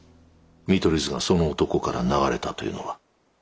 見取り図がその男から流れたというのは。